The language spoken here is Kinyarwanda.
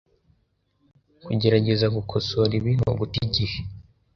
Kugerageza gukosora ibi ni uguta igihe .